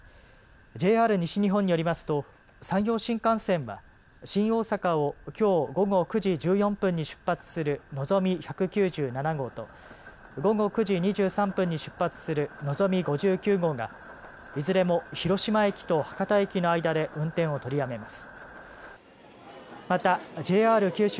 ＪＲ西日本によりますと山陽新幹線は新大阪をきょう午後９時１４分に出発するのぞみ１９７号と午後９時２３分に出発するのぞみ５９号がいずれも広島駅と博多駅の間で運転を取りやめます。